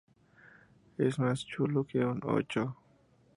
Es más chulo que un ocho